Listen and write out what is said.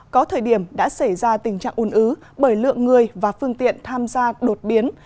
có thời điểm đã xảy ra tình trạng un ứ bởi lượng người và phương tiện tham gia đột biến